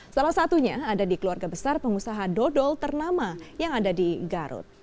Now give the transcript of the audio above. salah satunya ada di keluarga besar pengusaha dodol ternama yang ada di garut